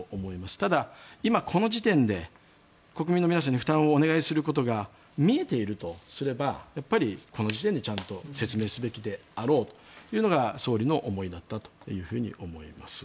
ただ、今この時点で国民の皆さんに負担をお願いすることが見えているとすればこの時点でちゃんと説明すべきであろうというのが総理の思いだったと思います。